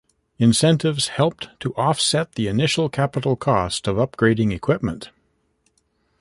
Incentives helped to offset the initial capital cost of upgrading equipment.